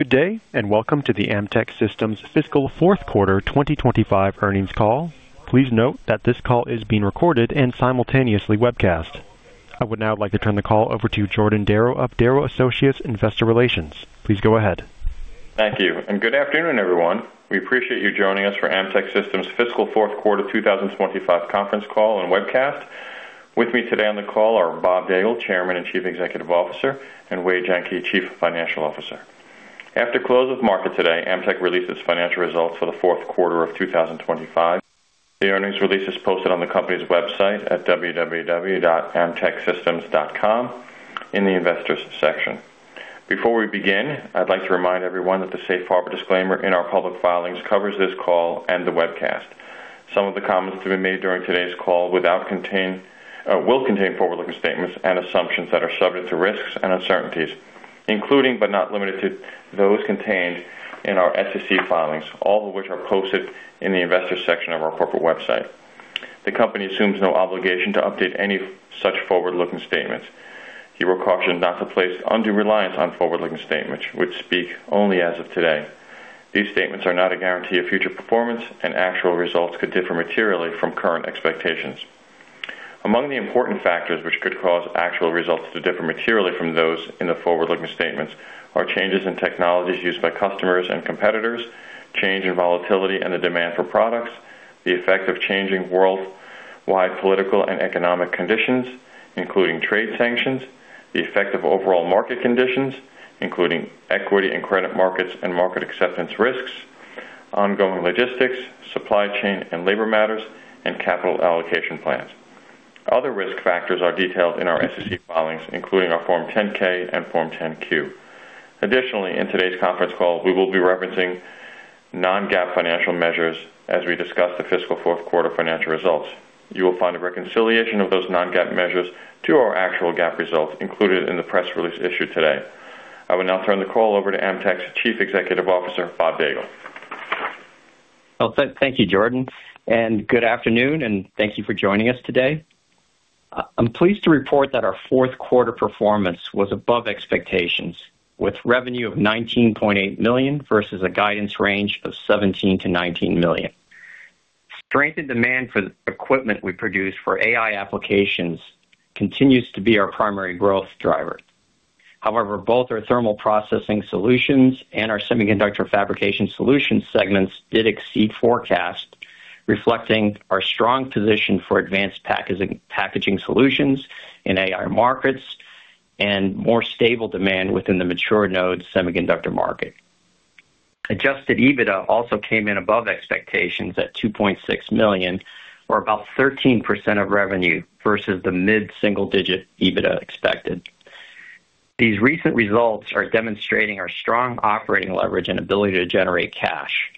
Good day and welcome to the Amtech Systems' fiscal fourth quarter 2025 earnings call. Please note that this call is being recorded and simultaneously webcast. I would now like to turn the call over to Jordan Darrow of Darrow Associates Investor Relations. Please go ahead. Thank you and good afternoon, everyone. We appreciate you joining us for Amtech Systems' fiscal fourth quarter 2025 conference call and webcast. With me today on the call are Bob Daigle, Chairman and Chief Executive Officer, and Wade Jenke, Chief Financial Officer. After close of market today, Amtech released its financial results for the fourth quarter of 2025. The earnings release is posted on the company's website at www.amtechsystems.com in the investors' section. Before we begin, I'd like to remind everyone that the safe harbor disclaimer in our public filings covers this call and the webcast. Some of the comments to be made during today's call will contain forward-looking statements and assumptions that are subject to risks and uncertainties, including but not limited to those contained in our SEC filings, all of which are posted in the investors' section of our corporate website. The company assumes no obligation to update any such forward-looking statements. You are cautioned not to place undue reliance on forward-looking statements, which speak only as of today. These statements are not a guarantee of future performance, and actual results could differ materially from current expectations. Among the important factors which could cause actual results to differ materially from those in the forward-looking statements are changes in technologies used by customers and competitors, change in volatility and the demand for products, the effect of changing worldwide political and economic conditions, including trade sanctions, the effect of overall market conditions, including equity and credit markets and market acceptance risks, ongoing logistics, supply chain and labor matters, and capital allocation plans. Other risk factors are detailed in our SEC filings, including our Form 10-K and Form 10-Q. Additionally, in today's conference call, we will be referencing non-GAAP financial measures as we discuss the fiscal fourth quarter financial results. You will find a reconciliation of those non-GAAP measures to our actual GAAP results included in the press release issued today. I would now turn the call over to Amtech's Chief Executive Officer, Bob Daigle. Thank you, Jordan, and good afternoon, and thank you for joining us today. I'm pleased to report that our fourth quarter performance was above expectations, with revenue of $19.8 million versus a guidance range of $17 million-$19 million. Strengthened demand for equipment we produce for AI applications continues to be our primary growth driver. However, both our Thermal Processing Solutions and our Semiconductor Fabrication Solutions segments did exceed forecasts, reflecting our strong position for advanced packaging solutions in AI markets and more stable demand within the mature node semiconductor market. Adjusted EBITDA also came in above expectations at $2.6 million, or about 13% of revenue versus the mid-single-digit EBITDA expected. These recent results are demonstrating our strong operating leverage and ability to generate cash.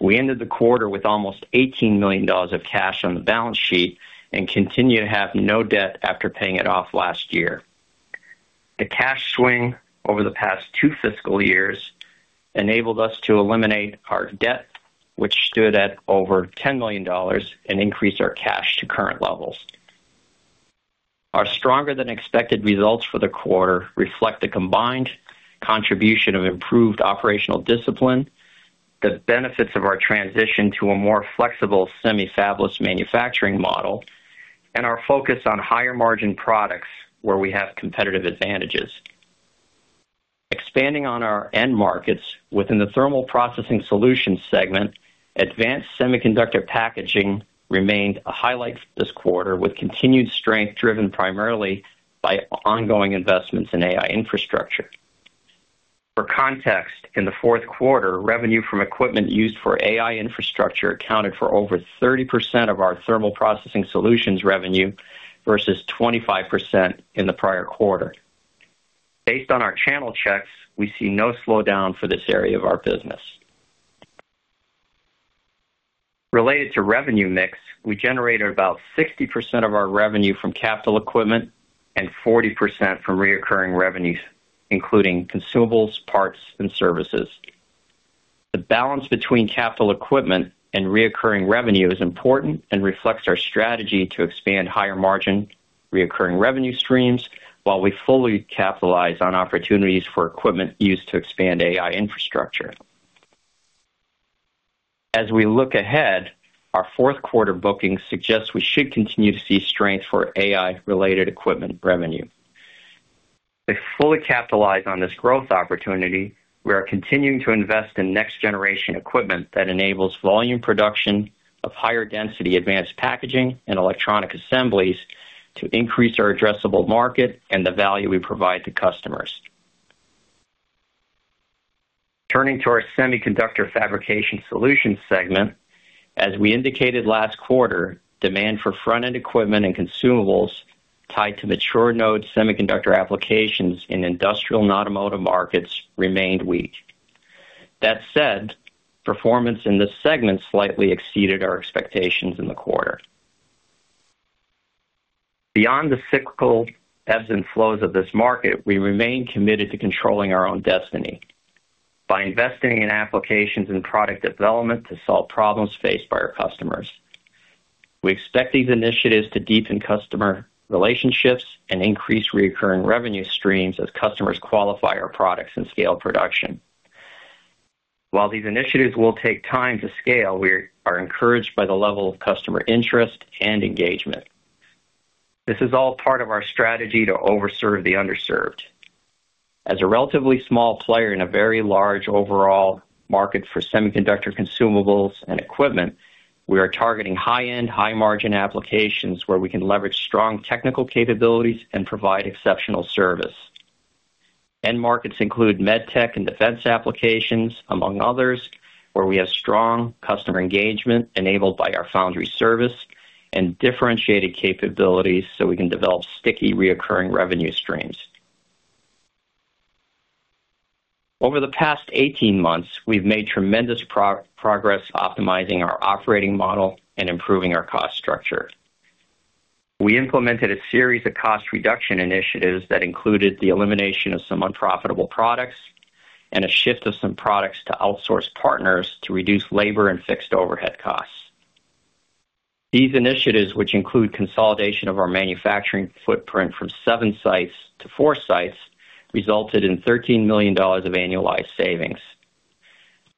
We ended the quarter with almost $18 million of cash on the balance sheet and continue to have no debt after paying it off last year. The cash swing over the past two fiscal years enabled us to eliminate our debt, which stood at over $10 million, and increase our cash to current levels. Our stronger-than-expected results for the quarter reflect the combined contribution of improved operational discipline, the benefits of our transition to a more flexible semi-fabless manufacturing model, and our focus on higher-margin products where we have competitive advantages. Expanding on our end markets within the Thermal Processing Solutions segment, advanced semiconductor packaging remained a highlight this quarter, with continued strength driven primarily by ongoing investments in AI infrastructure. For context, in the fourth quarter, revenue from equipment used for AI infrastructure accounted for over 30% of our Thermal Processing Solutions revenue versus 25% in the prior quarter. Based on our channel checks, we see no slowdown for this area of our business. Related to revenue mix, we generated about 60% of our revenue from capital equipment and 40% from recurring revenues, including consumables, parts, and services. The balance between capital equipment and recurring revenue is important and reflects our strategy to expand higher-margin recurring revenue streams while we fully capitalize on opportunities for equipment used to expand AI infrastructure. As we look ahead, our fourth quarter bookings suggest we should continue to see strength for AI-related equipment revenue. To fully capitalize on this growth opportunity, we are continuing to invest in next-generation equipment that enables volume production of higher-density advanced packaging and electronic assemblies to increase our addressable market and the value we provide to customers. Turning to our Semiconductor Fabrication Solutions segment, as we indicated last quarter, demand for front-end equipment and consumables tied to mature node semiconductor applications in industrial and automotive markets remained weak. That said, performance in this segment slightly exceeded our expectations in the quarter. Beyond the cyclical ebbs and flows of this market, we remain committed to controlling our own destiny by investing in applications and product development to solve problems faced by our customers. We expect these initiatives to deepen customer relationships and increase recurring revenue streams as customers qualify our products and scale production. While these initiatives will take time to scale, we are encouraged by the level of customer interest and engagement. This is all part of our strategy to overserve the underserved. As a relatively small player in a very large overall market for semiconductor consumables and equipment, we are targeting high-end, high-margin applications where we can leverage strong technical capabilities and provide exceptional service. End markets include medtech and defense applications, among others, where we have strong customer engagement enabled by our foundry service and differentiated capabilities so we can develop sticky recurring revenue streams. Over the past 18 months, we've made tremendous progress optimizing our operating model and improving our cost structure. We implemented a series of cost reduction initiatives that included the elimination of some unprofitable products and a shift of some products to outsource partners to reduce labor and fixed overhead costs. These initiatives, which include consolidation of our manufacturing footprint from seven sites to four sites, resulted in $13 million of annualized savings.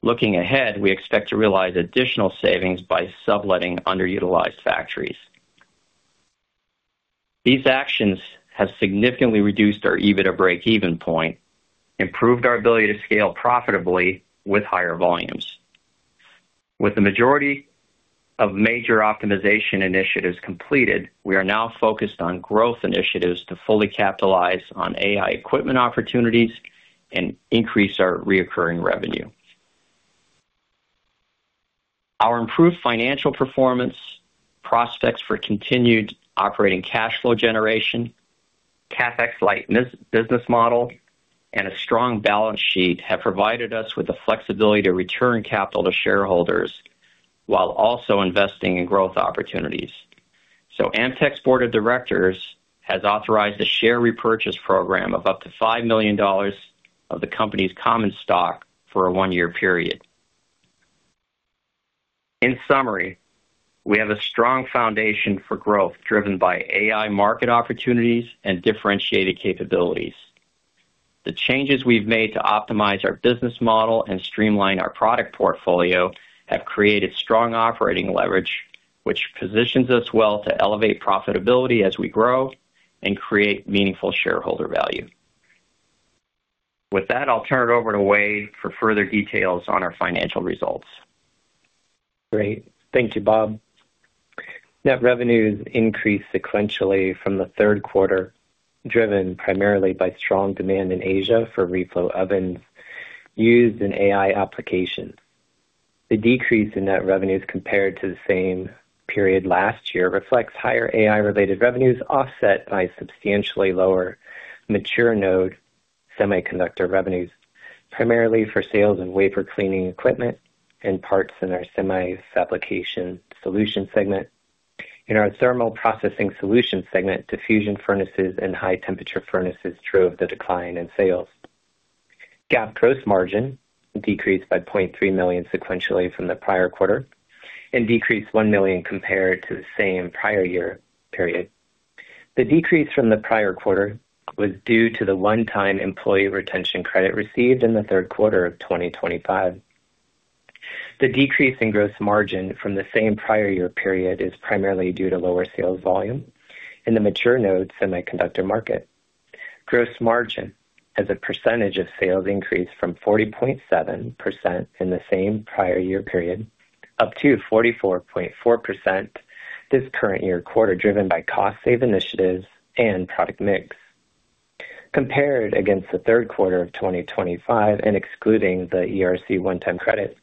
Looking ahead, we expect to realize additional savings by subletting underutilized factories. These actions have significantly reduced our EBITDA break-even point, improved our ability to scale profitably with higher volumes. With the majority of major optimization initiatives completed, we are now focused on growth initiatives to fully capitalize on AI equipment opportunities and increase our recurring revenue. Our improved financial performance, prospects for continued operating cash flow generation, CapEx-light business model, and a strong balance sheet have provided us with the flexibility to return capital to shareholders while also investing in growth opportunities, so Amtech's Board of Directors has authorized a share repurchase program of up to $5 million of the company's common stock for a one-year period. In summary, we have a strong foundation for growth driven by AI market opportunities and differentiated capabilities. The changes we've made to optimize our business model and streamline our product portfolio have created strong operating leverage, which positions us well to elevate profitability as we grow and create meaningful shareholder value. With that, I'll turn it over to Wade for further details on our financial results. Great. Thank you, Bob. Net revenues increased sequentially from the third quarter, driven primarily by strong demand in Asia for reflow ovens used in AI applications. The decrease in net revenues compared to the same period last year reflects higher AI-related revenues offset by substantially lower mature node semiconductor revenues, primarily for sales and wafer cleaning equipment and parts in our Semi-Fabrication Solutions segment. In our Thermal Processing Solutions segment, diffusion furnaces and high-temperature furnaces drove the decline in sales. GAAP gross margin decreased by $0.3 million sequentially from the prior quarter and decreased $1 million compared to the same prior year period. The decrease from the prior quarter was due to the one-time Employee Retention Credit received in the third quarter of 2025. The decrease in gross margin from the same prior year period is primarily due to lower sales volume in the mature node semiconductor market. Gross margin as a percentage of sales increased from 40.7% in the same prior year period up to 44.4% this current year quarter, driven by cost-saving initiatives and product mix. Compared against the third quarter of 2025 and excluding the ERC one-time credit,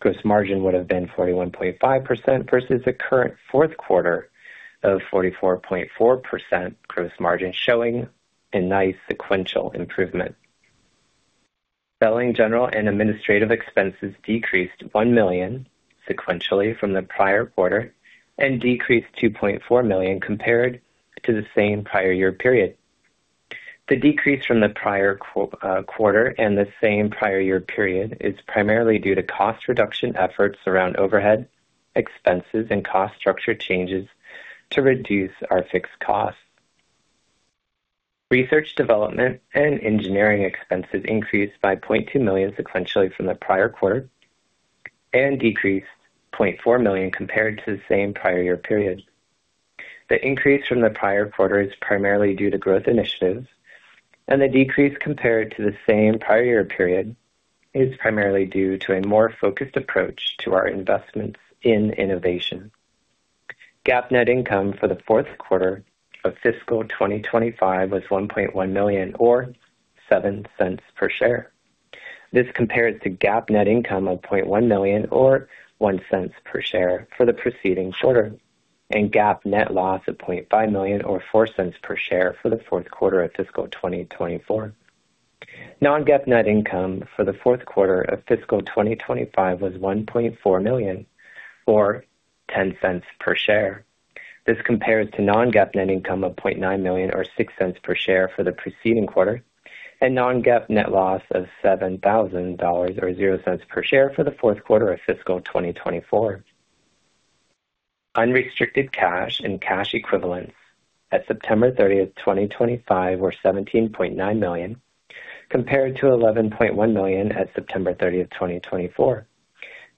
gross margin would have been 41.5% versus the current fourth quarter of 44.4% gross margin, showing a nice sequential improvement. Selling, general and administrative expenses decreased $1 million sequentially from the prior quarter and decreased $2.4 million compared to the same prior year period. The decrease from the prior quarter and the same prior year period is primarily due to cost reduction efforts around overhead expenses and cost structure changes to reduce our fixed costs. Research, development and engineering expenses increased by $0.2 million sequentially from the prior quarter and decreased $0.4 million compared to the same prior year period. The increase from the prior quarter is primarily due to growth initiatives, and the decrease compared to the same prior year period is primarily due to a more focused approach to our investments in innovation. GAAP net income for the fourth quarter of fiscal 2025 was $1.1 million, or $0.07 per share. This compares to GAAP net income of $0.1 million, or $0.01 per share for the preceding quarter, and GAAP net loss of $0.5 million, or $0.04 per share for the fourth quarter of fiscal 2024. non-GAAP net income for the fourth quarter of fiscal 2025 was $1.4 million, or $0.10 per share. This compares to non-GAAP net income of $0.9 million, or $0.06 per share for the preceding quarter, and non-GAAP net loss of $7,000, or $0.00 per share for the fourth quarter of fiscal 2024. Unrestricted cash and cash equivalents at September 30, 2025, were $17.9 million, compared to $11.1 million at September 30, 2024,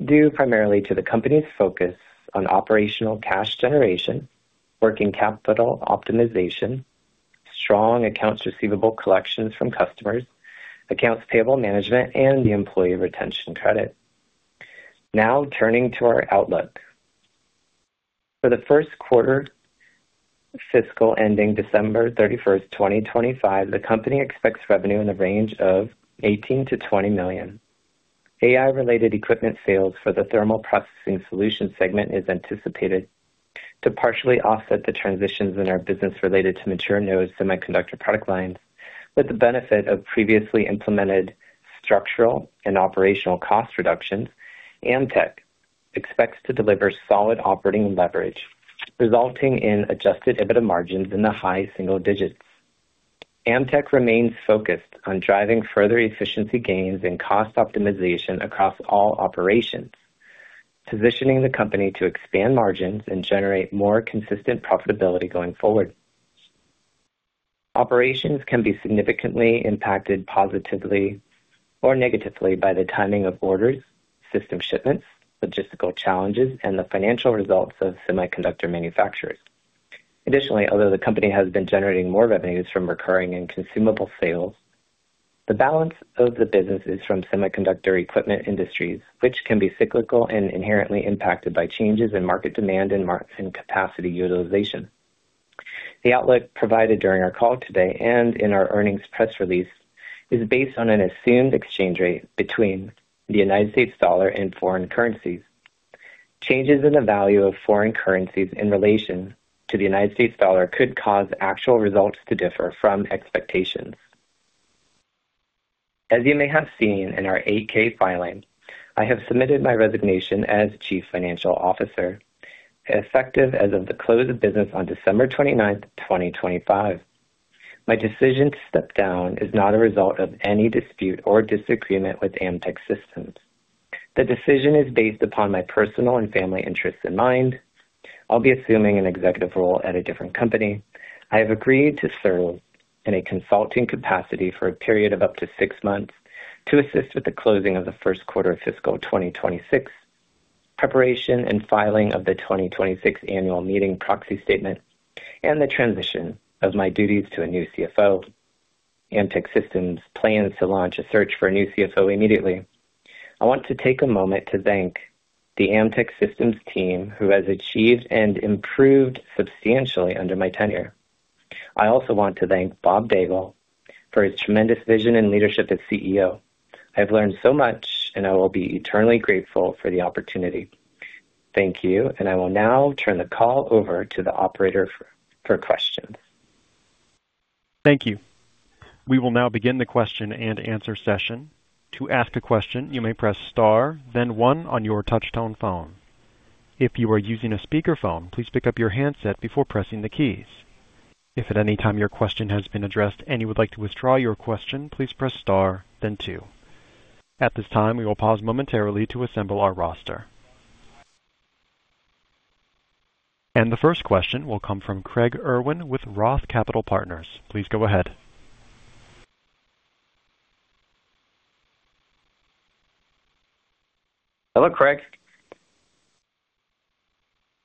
due primarily to the company's focus on operational cash generation, working capital optimization, strong accounts receivable collections from customers, accounts payable management, and the Employee Retention Credit. Now turning to our outlook. For the first quarter fiscal ending December 31, 2025, the company expects revenue in the range of $18 million-$20 million. AI-related equipment sales for the Thermal Processing Solutions segment is anticipated to partially offset the transitions in our business related to mature node semiconductor product lines. With the benefit of previously implemented structural and operational cost reductions, Amtech expects to deliver solid operating leverage, resulting in adjusted EBITDA margins in the high single digits. Amtech remains focused on driving further efficiency gains and cost optimization across all operations, positioning the company to expand margins and generate more consistent profitability going forward. Operations can be significantly impacted positively or negatively by the timing of orders, system shipments, logistical challenges, and the financial results of semiconductor manufacturers. Additionally, although the company has been generating more revenues from recurring and consumable sales, the balance of the business is from semiconductor equipment industries, which can be cyclical and inherently impacted by changes in market demand and capacity utilization. The outlook provided during our call today and in our earnings press release is based on an assumed exchange rate between the United States dollar and foreign currencies. Changes in the value of foreign currencies in relation to the United States dollar could cause actual results to differ from expectations. As you may have seen in our 8-K filing, I have submitted my resignation as Chief Financial Officer, effective as of the close of business on December 29, 2025. My decision to step down is not a result of any dispute or disagreement with Amtech Systems. The decision is based upon my personal and family interests in mind. I'll be assuming an executive role at a different company. I have agreed to serve in a consulting capacity for a period of up to six months to assist with the closing of the first quarter of fiscal 2026, preparation and filing of the 2026 annual meeting proxy statement, and the transition of my duties to a new CFO. Amtech Systems plans to launch a search for a new CFO immediately. I want to take a moment to thank the Amtech Systems team who has achieved and improved substantially under my tenure. I also want to thank Bob Daigle for his tremendous vision and leadership as CEO. I have learned so much, and I will be eternally grateful for the opportunity. Thank you, and I will now turn the call over to the operator for questions. Thank you. We will now begin the question and answer session. To ask a question, you may press star, then one on your touch-tone phone. If you are using a speakerphone, please pick up your handset before pressing the keys. If at any time your question has been addressed and you would like to withdraw your question, please press star, then two. At this time, we will pause momentarily to assemble our roster, and the first question will come from Craig Irwin with ROTH Capital Partners. Please go ahead. Hello, Craig.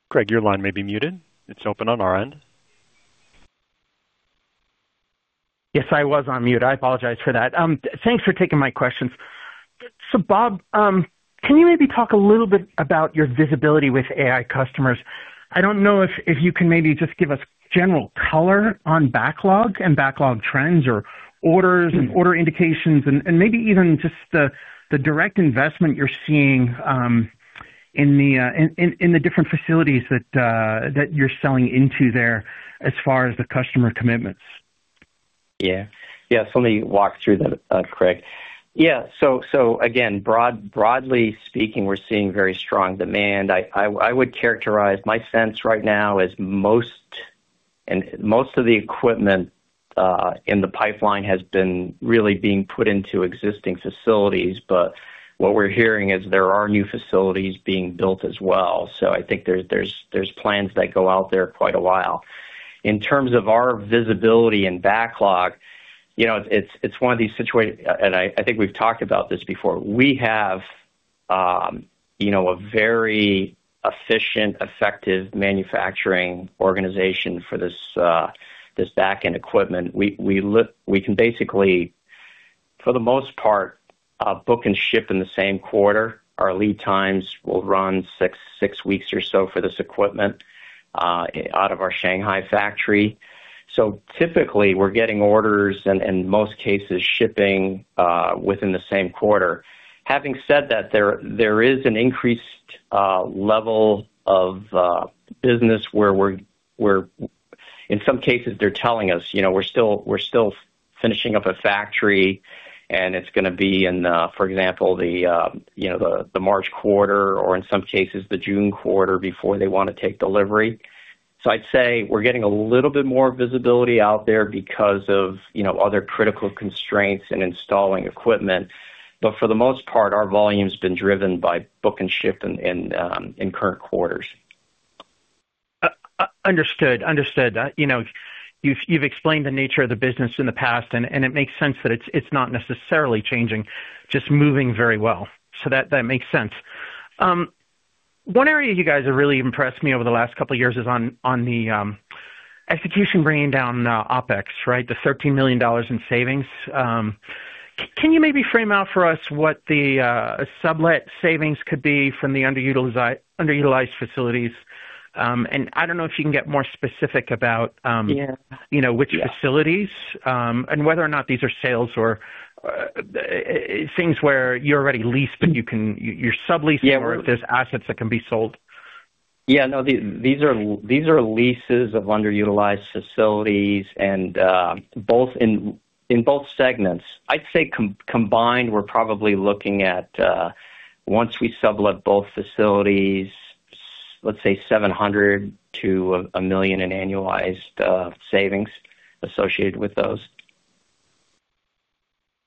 Craig, your line may be muted. It's open on our end. Yes, I was on mute. I apologize for that. Thanks for taking my questions. So Bob, can you maybe talk a little bit about your visibility with AI customers? I don't know if you can maybe just give us general color on backlog and backlog trends or orders and order indications and maybe even just the direct investment you're seeing in the different facilities that you're selling into there as far as the customer commitments? Yeah. Yeah. So let me walk through that, Craig. Yeah. So again, broadly speaking, we're seeing very strong demand. I would characterize my sense right now as most of the equipment in the pipeline has been really being put into existing facilities, but what we're hearing is there are new facilities being built as well. So I think there's plans that go out there quite a while. In terms of our visibility and backlog, it's one of these situations, and I think we've talked about this before. We have a very efficient, effective manufacturing organization for this back-end equipment. We can basically, for the most part, book and ship in the same quarter. Our lead times will run six weeks or so for this equipment out of our Shanghai factory. So typically, we're getting orders and, in most cases, shipping within the same quarter. Having said that, there is an increased level of business where we're, in some cases, they're telling us we're still finishing up a factory and it's going to be in, for example, the March quarter or, in some cases, the June quarter before they want to take delivery. So I'd say we're getting a little bit more visibility out there because of other critical constraints in installing equipment. But for the most part, our volume has been driven by book and ship in current quarters. Understood. Understood. You've explained the nature of the business in the past, and it makes sense that it's not necessarily changing, just moving very well. So that makes sense. One area you guys have really impressed me over the last couple of years is on the execution bringing down OpEx, right? The $13 million in savings. Can you maybe frame out for us what the sublet savings could be from the underutilized facilities? And I don't know if you can get more specific about which facilities and whether or not these are sales or things where you're already leased, but you're subleasing or if there's assets that can be sold. Yeah. No, these are leases of underutilized facilities in both segments. I'd say combined, we're probably looking at, once we sublet both facilities, let's say $700,000-$1 million in annualized savings associated with those.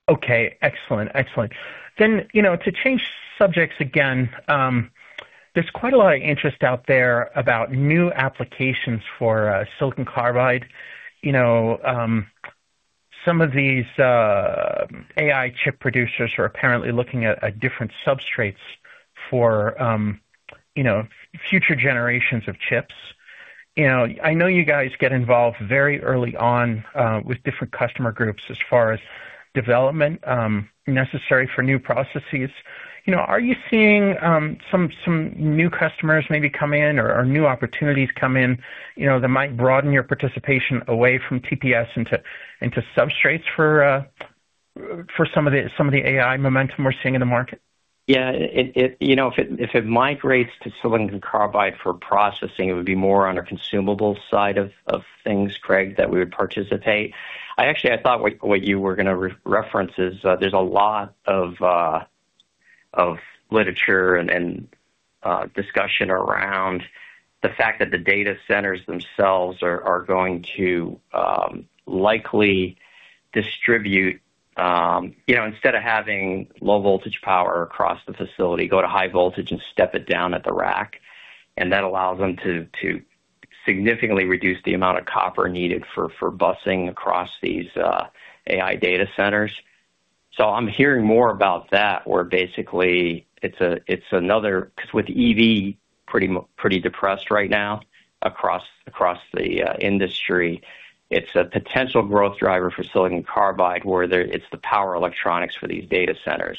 Okay. Excellent. Excellent. Then to change subjects again, there's quite a lot of interest out there about new applications for silicon carbide. Some of these AI chip producers are apparently looking at different substrates for future generations of chips. I know you guys get involved very early on with different customer groups as far as development necessary for new processes. Are you seeing some new customers maybe come in or new opportunities come in that might broaden your participation away from TPS into substrates for some of the AI momentum we're seeing in the market? Yeah. If it migrates to silicon carbide for processing, it would be more on a consumable side of things, Craig, that we would participate. Actually, I thought what you were going to reference is there's a lot of literature and discussion around the fact that the data centers themselves are going to likely distribute, instead of having low-voltage power across the facility, go to high voltage and step it down at the rack, and that allows them to significantly reduce the amount of copper needed for bussing across these AI data centers, so I'm hearing more about that where basically it's another because with EV, pretty depressed right now across the industry. It's a potential growth driver for silicon carbide where it's the power electronics for these data centers.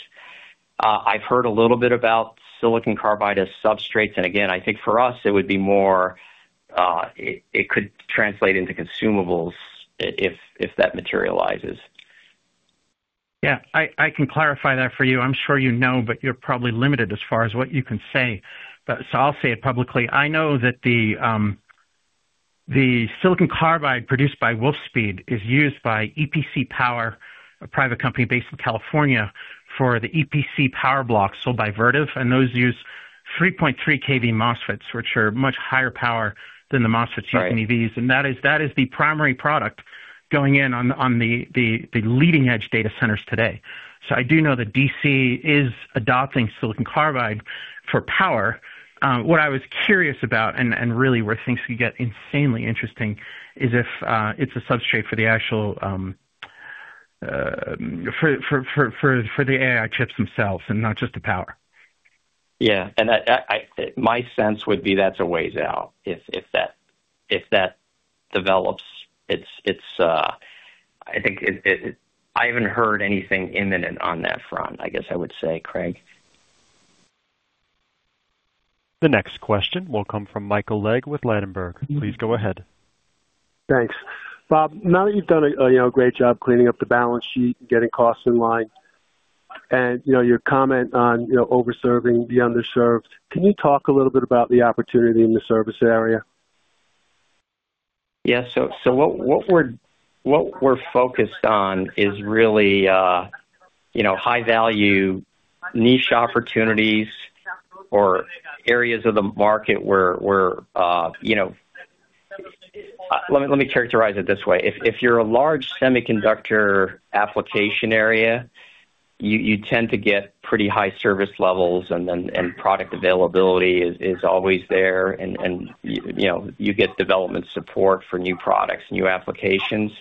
I've heard a little bit about silicon carbide as substrates. And again, I think for us, it could translate into consumables if that materializes. Yeah. I can clarify that for you. I'm sure you know, but you're probably limited as far as what you can say. So I'll say it publicly. I know that the silicon carbide produced by Wolfspeed is used by EPC Power, a private company based in California, for the EPC power blocks sold by Vertiv. And those use 3.3 kV MOSFETs, which are much higher power than the MOSFETs used in EVs. And that is the primary product going in on the leading-edge data centers today. So I do know that DC is adopting silicon carbide for power. What I was curious about, and really where things could get insanely interesting, is if it's a substrate for the actual AI chips themselves and not just the power. Yeah. And my sense would be that's a ways out if that develops. I think I haven't heard anything imminent on that front, I guess I would say, Craig. The next question will come from Michael Legg with Ladenburg. Please go ahead. Thanks. Bob, now that you've done a great job cleaning up the balance sheet and getting costs in line and your comment on overserving the underserved, can you talk a little bit about the opportunity in the service area? Yeah. So what we're focused on is really high-value niche opportunities or areas of the market where let me characterize it this way. If you're a large semiconductor application area, you tend to get pretty high service levels, and product availability is always there, and you get development support for new products, new applications,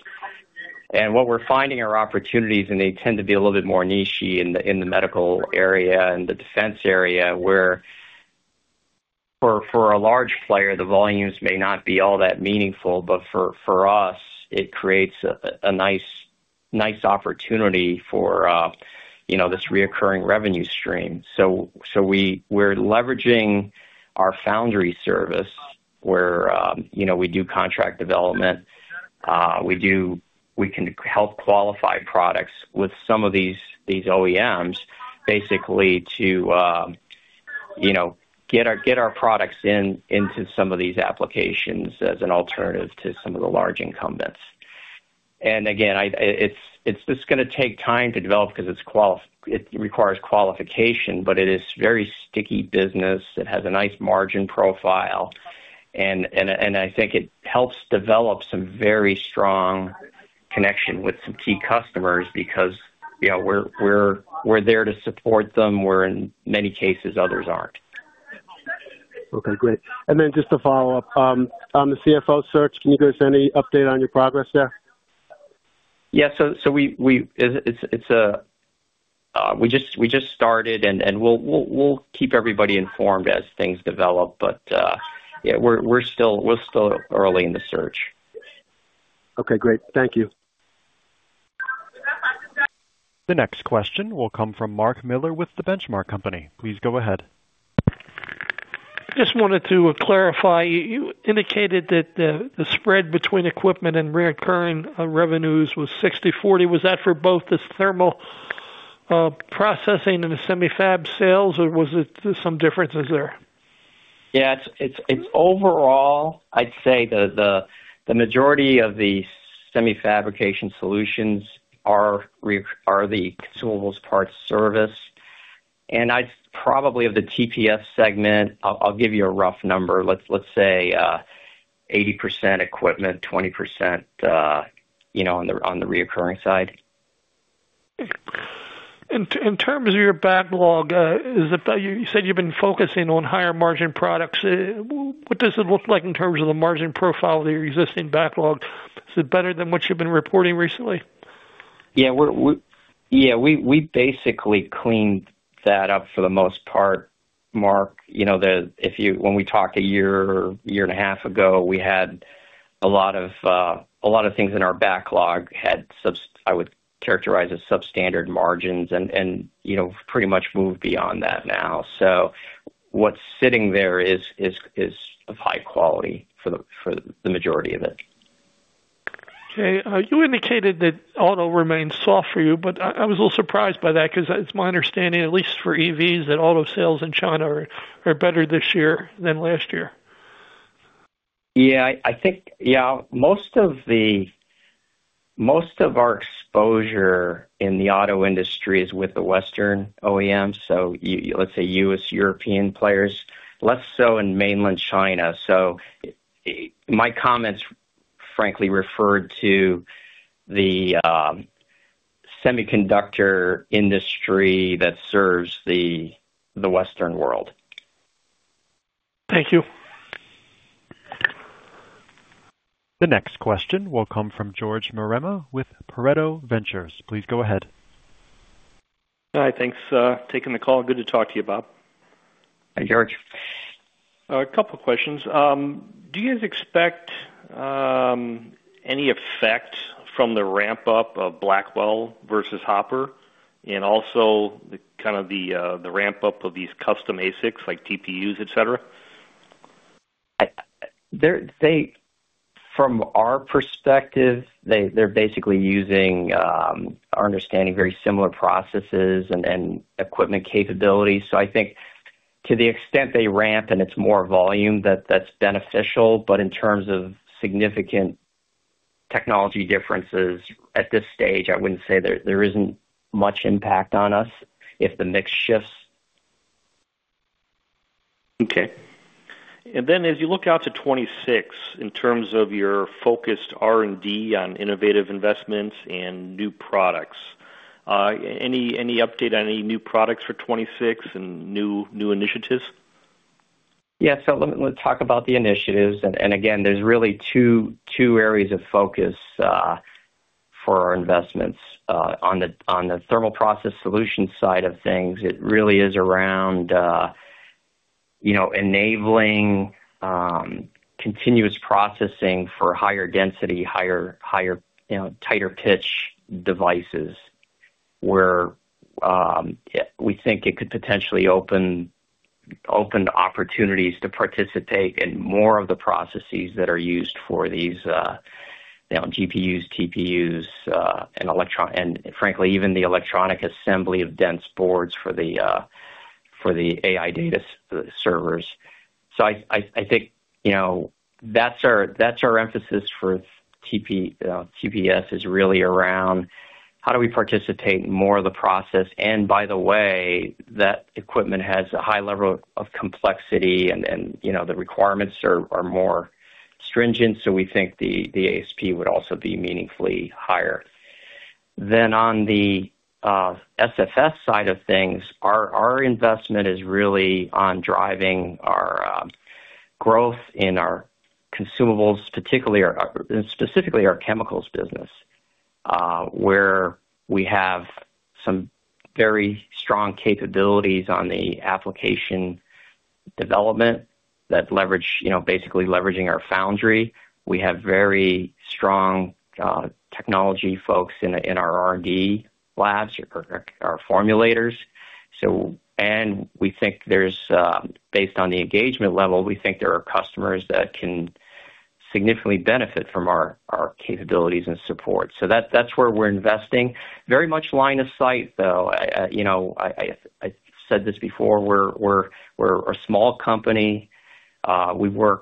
and what we're finding are opportunities, and they tend to be a little bit more niche in the medical area and the defense area where for a large player, the volumes may not be all that meaningful, but for us, it creates a nice opportunity for this recurring revenue stream, so we're leveraging our foundry service where we do contract development. We can help qualify products with some of these OEMs basically to get our products into some of these applications as an alternative to some of the large incumbents. And again, it's just going to take time to develop because it requires qualification, but it is very sticky business. It has a nice margin profile. And I think it helps develop some very strong connection with some key customers because we're there to support them where in many cases others aren't. Okay. Great. And then just to follow up, on the CFO search, can you give us any update on your progress there? Yeah, so we just started, and we'll keep everybody informed as things develop, but we're still early in the search. Okay. Great. Thank you. The next question will come from Mark Miller with The Benchmark Company. Please go ahead. I just wanted to clarify. You indicated that the spread between equipment and recurring revenues was 60/40. Was that for both the Thermal Processing and the Semi-Fab sales, or was there some differences there? Yeah. Overall, I'd say the majority of the Semi-Fabrication Solutions are the consumables parts service, and probably of the TPS segment, I'll give you a rough number. Let's say 80% equipment, 20% on the recurring side. In terms of your backlog, you said you've been focusing on higher margin products. What does it look like in terms of the margin profile of your existing backlog? Is it better than what you've been reporting recently? Yeah. Yeah. We basically cleaned that up for the most part, Mark. When we talked a year or a year and a half ago, we had a lot of things in our backlog I would characterize as substandard margins, and pretty much moved beyond that now, so what's sitting there is of high quality for the majority of it. Okay. You indicated that auto remains soft for you, but I was a little surprised by that because it's my understanding, at least for EVs, that auto sales in China are better this year than last year. Yeah. I think, yeah, most of our exposure in the auto industry is with the Western OEMs. So let's say U.S. European players, less so in mainland China. So my comments, frankly, referred to the semiconductor industry that serves the Western world. Thank you. The next question will come from George Marema with Pareto Ventures. Please go ahead. Hi, thanks for taking the call. Good to talk to you, Bob. Hi, George. A couple of questions. Do you guys expect any effect from the ramp-up of Blackwell versus Hopper and also kind of the ramp-up of these custom ASICs like TPUs, etc.? From our perspective, they're basically using, our understanding, very similar processes and equipment capabilities. So I think to the extent they ramp and it's more volume, that's beneficial. But in terms of significant technology differences at this stage, I wouldn't say there isn't much impact on us if the mix shifts. Okay, and then as you look out to 2026, in terms of your focused R&D on innovative investments and new products, any update on any new products for 2026 and new initiatives? Yeah. So let me talk about the initiatives. And again, there's really two areas of focus for our investments. On the Thermal Process Solutions side of things, it really is around enabling continuous processing for higher density, tighter pitch devices where we think it could potentially open opportunities to participate in more of the processes that are used for these GPUs, TPUs, and frankly, even the electronic assembly of dense boards for the AI data servers. So I think that's our emphasis for TPS is really around how do we participate in more of the process. And by the way, that equipment has a high level of complexity, and the requirements are more stringent. So we think the ASP would also be meaningfully higher. Then on the SFS side of things, our investment is really on driving our growth in our consumables, specifically our chemicals business, where we have some very strong capabilities on the application development that leverage our foundry. We have very strong technology folks in our R&D labs, our formulators. And we think, based on the engagement level, there are customers that can significantly benefit from our capabilities and support. So that's where we're investing. Very much line of sight, though. I've said this before. We're a small company. These aren't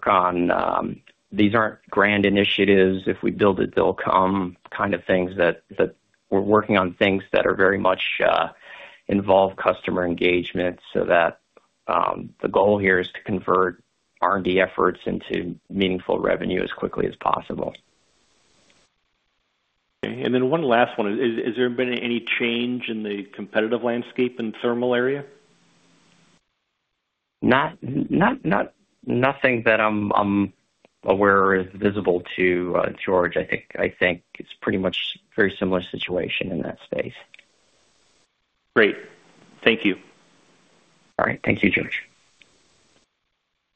grand initiatives, "If we build it, they'll come" kind of things that very much involve customer engagement. So the goal here is to convert R&D efforts into meaningful revenue as quickly as possible. Okay. And then one last one. Has there been any change in the competitive landscape in the thermal area? Nothing that I'm aware, or is visible to George. I think it's pretty much a very similar situation in that space. Great. Thank you. All right. Thank you, George.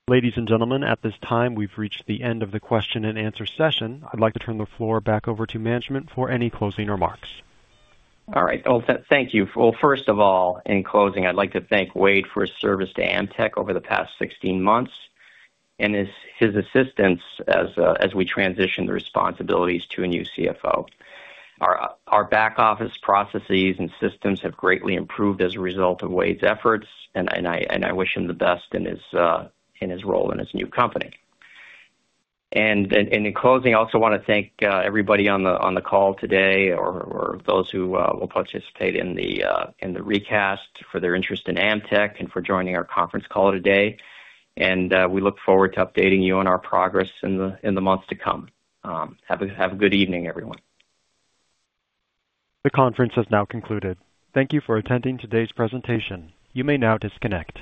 Ladies and gentlemen, at this time, we've reached the end of the question and answer session. I'd like to turn the floor back over to management for any closing remarks. All right. Well, thank you. Well, first of all, in closing, I'd like to thank Wade for his service to Amtech over the past 16 months and his assistance as we transitioned the responsibilities to a new CFO. Our back office processes and systems have greatly improved as a result of Wade's efforts, and I wish him the best in his role in his new company. And in closing, I also want to thank everybody on the call today or those who will participate in the recast for their interest in Amtech and for joining our conference call today. And we look forward to updating you on our progress in the months to come. Have a good evening, everyone. The conference has now concluded. Thank you for attending today's presentation. You may now disconnect.